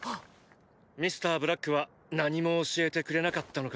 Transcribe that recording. ミスターブラックは何も教えてくれなかったのかい？